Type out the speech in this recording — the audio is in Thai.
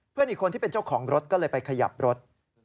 อีกคนที่เป็นเจ้าของรถก็เลยไปขยับรถ